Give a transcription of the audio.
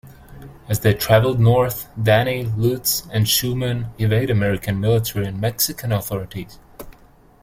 As they travelled north, Danny, Luz, and Schumann evade American military and Mexican authorities.